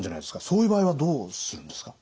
そういう場合はどうするんですか？